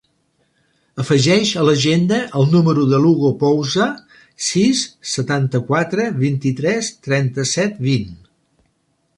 Afegeix a l'agenda el número de l'Hugo Pousa: sis, setanta-quatre, vint-i-tres, trenta-set, vint.